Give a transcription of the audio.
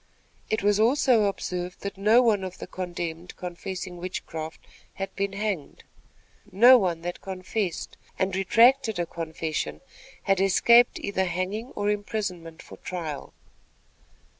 It was also observed that no one of the condemned confessing witchcraft had been hanged. No one that confessed, and retracted a confession, had escaped either hanging or imprisonment for trial.